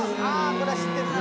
これは知ってるな・